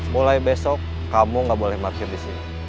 mulai besok kamu gak boleh market disini